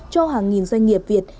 cho hàng nghìn doanh nghiệp việt